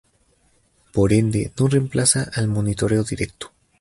Por ende, no reemplaza al monitoreo directo.